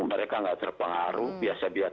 mereka nggak terpengaruh biasa biasa